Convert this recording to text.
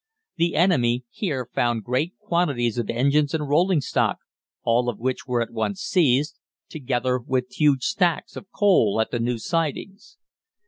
The enemy here found great quantities of engines and rolling stock, all of which was at once seized, together with huge stacks of coal at the new sidings.